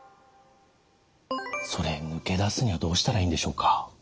それ抜け出すにはどうしたらいいんでしょうか？